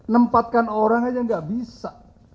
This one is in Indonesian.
nempatkan orang saja tidak bisa